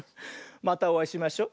またおあいしましょ。